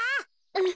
うん。